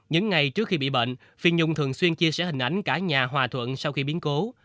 những ngày trước khi bị bệnh phim nhung thường xuyên chia sẻ hình ảnh cả nhà hòa thuận sau khi biến cố